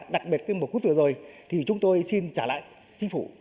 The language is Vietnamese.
đặc biệt cái mục quốc vừa rồi thì chúng tôi xin trả lại chính phủ